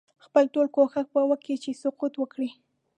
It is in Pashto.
خپل ټول کوښښ به کوي چې سقوط وکړي.